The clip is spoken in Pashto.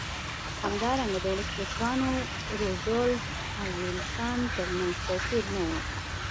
همدارنګه د ولسمشرانو روزولټ او ویلسن ترمنځ توپیر نه و.